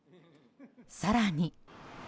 更に。